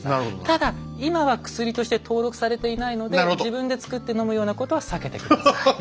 ただ今は薬として登録されていないので自分でつくってのむようなことは避けて下さい。